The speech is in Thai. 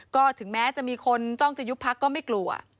ก็ถึงแม้จะมีคนจ้องจะยุบพักก็ไม่กลัว